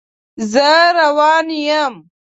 زه روان یم